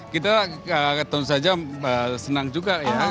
kita tentu saja senang juga ya